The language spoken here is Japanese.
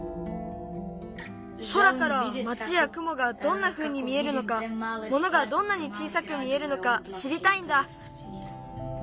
空から町やくもがどんなふうに見えるのかものがどんなに小さく見えるのかしりたいんだ。